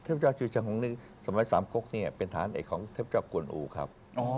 เทพเจ้าจิวชังโกงนึงสมัยสามโคกเนี่ยเป็นฐานเอกของเทพเจ้ากุลอูครับ